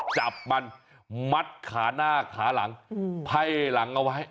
จับมันมัดขาหน้าขาหลังไพ่หลังเอาไว้